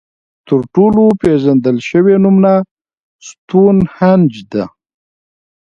تر ټولو پېژندل شوې نمونه ستونهنج ده.